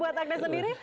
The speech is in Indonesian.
buat agnes sendiri